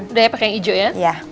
udah ya pakai yang hijau ya